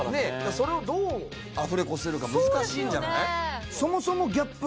それをどうアフレコするか難しいんじゃない？